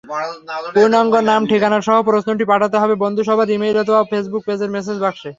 পূর্ণাঙ্গ নাম-ঠিকানাসহ প্রশ্নটি পাঠাতে হবে বন্ধুসভার ই-মেইল অথবা ফেসবুক পেজের মেসেজ বক্সে।